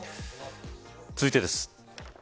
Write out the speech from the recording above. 続いてです。